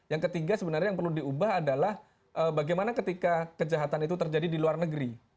yang ketiga sebenarnya yang perlu diubah adalah bagaimana ketika kejahatan itu terjadi di luar negeri